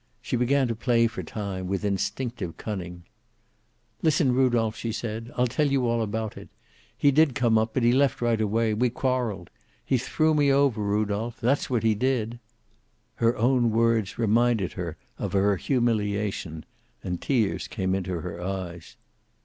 She began to play for time, with instinctive cunning. "Listen, Rudolph," she said. "I'll tell you all about it. He did come up, but he left right away. We quarreled. He threw me over, Rudolph. That's what he did." Her own words reminded her of her humiliation, and tears came into her eyes.